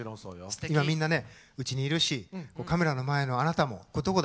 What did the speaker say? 今みんなねうちにいるしカメラの前のあなたもこれどこだ？